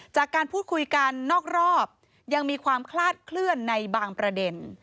จากการพูดคุยกันนอกรอบยังมีความคลาดเคลื่อนในบางประเด็น